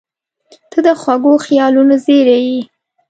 • ته د خوږو خیالونو زېری یې.